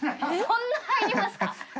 そんなに入りますか？